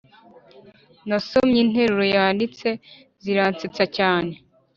nasomye interuro yanditse ziransetsa cyane